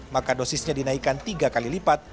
maka dosisnya dinaikkan tiga kali lipat